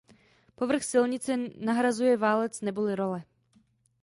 Povrch silnice nahrazuje válec neboli role.